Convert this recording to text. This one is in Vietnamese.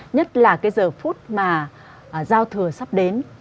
nhất là cái giờ phút mà giao thừa sắp đến